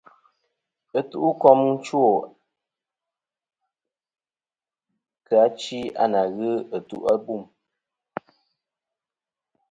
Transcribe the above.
Ɨtu'kom gvi achwo kɨ achi a ǹà ghɨ ɨtu' ɨtu'abûm.